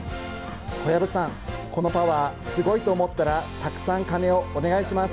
小籔さんこのパワーすごいと思ったらたくさん鐘をお願いします。